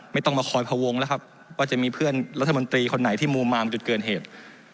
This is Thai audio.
ไม่ต้องมาคอยพวงแล้วครับว่าจะมีเพื่อนรัฐมนตรีคนไหนที่มุมมาจุดเกิดเหตุ